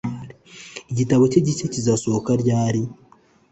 Igitabo cye gishya kizasohoka ryari